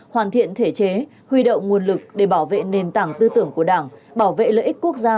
hoàn thiện thể chế huy động nguồn lực để bảo vệ nền tảng tư tưởng của đảng bảo vệ lợi ích quốc gia